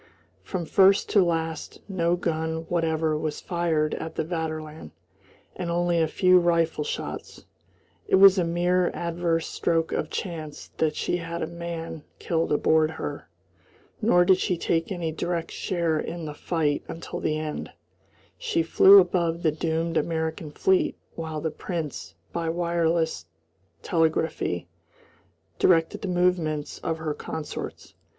From first to last no gun whatever was fired at the Vaterland, and only a few rifle shots. It was a mere adverse stroke of chance that she had a man killed aboard her. Nor did she take any direct share in the fight until the end. She flew above the doomed American fleet while the Prince by wireless telegraphy directed the movements of her consorts.